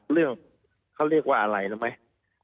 เรื่องเขาเรียกว่าอะไรรู้ไหม